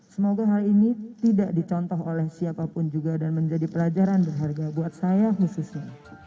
semoga hal ini tidak dicontoh oleh siapapun juga dan menjadi pelajaran berharga buat saya khususnya